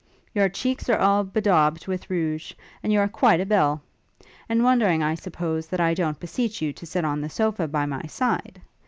Your cheeks are all bedaubed with rouge, and you are quite a belle! and wondering, I suppose, that I don't beseech you to sit on the sofa by my side!